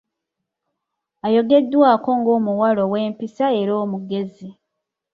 Ayogeddwako ng’omuwala ow’empisa era omugezi .